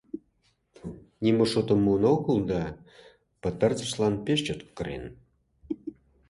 Нимо шотым муын огыл да пытартышлан пеш чот кырен.